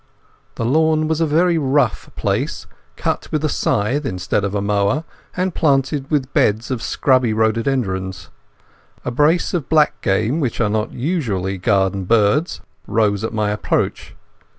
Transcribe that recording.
The lawn was a very rough place, cut with a scythe instead of a mower, and planted with beds of scrubby rhododendrons. A brace of black game, which are not usually garden birds, rose at my approach.